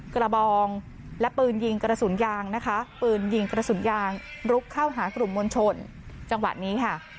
กระบองและปืนยิงกระสุนยางนะคะปืนยิงกระสุนยางลุกเข้าหากลุ่มมวลชนจังหวะนี้ค่ะ